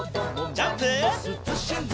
ジャンプ！